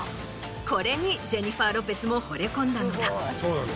これにジェニファー・ロペスもほれ込んだのだ。